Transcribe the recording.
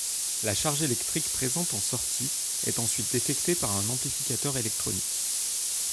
La charge électrique présente en sortie est ensuite détectée par un amplificateur électronique.